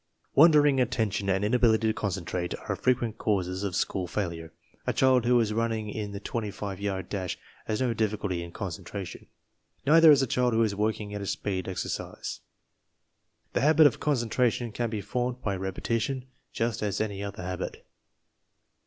Wandering attention and inability to concentrate are frequent causes of school failure. A child who is running in the 25 yard dash has no difficulty in concentration. 66 TESTS AND SCHOOL REORGANIZATION Neither has the child who is working in a speed exer cise. The habit of concentration can be formed by repe tition, just as any other habit.